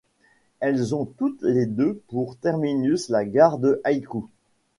Elles ont toutes les deux pour terminus la gare de Haikou.